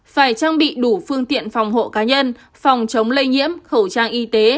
phải trang bị đủ phương tiện phòng hộ cá nhân phòng chống lây nhiễm khẩu trang y tế